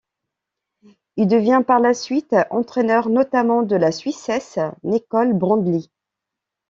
Il devient par la suite entraîneur, notamment de la Suissesse Nicole Brändli.